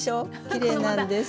きれいなんです。